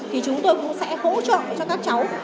thì chúng tôi cũng sẽ hỗ trợ cho các cháu